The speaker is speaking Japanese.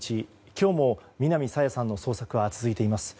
今日も南朝芽さんの捜索は続いています。